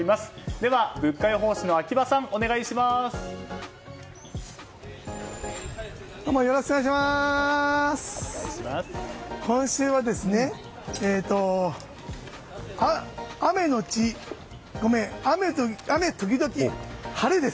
では、物価予報士の秋葉さんお願いします。